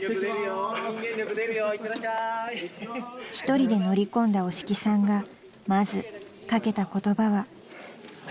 ［１人で乗り込んだ押木さんがまず掛けた言葉は］